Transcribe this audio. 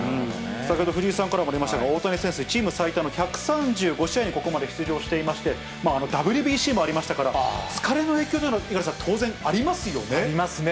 先ほど、藤井さんからもありましたが、大谷選手、チーム最多の１３５試合にここまで出場していまして、ＷＢＣもありましたから、疲れの影響というのも、五十嵐さん、当然ありますよね。ありますね。